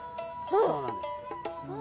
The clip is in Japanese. そうなんですよ。